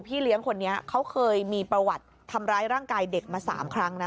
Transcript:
เลี้ยงคนนี้เขาเคยมีประวัติทำร้ายร่างกายเด็กมา๓ครั้งนะ